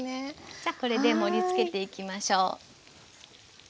じゃあこれで盛りつけていきましょう。